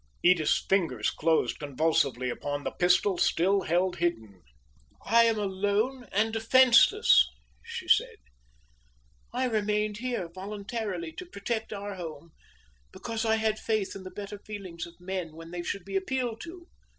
Edith's fingers closed convulsively upon the pistol still held bidden. "I am alone and defenseless," she said; "I remained here, voluntarily, to protect our home, because I had faith in the better feelings of men when they should be appealed to.